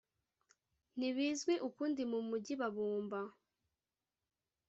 ntibizwi ukundi mumujyi babumba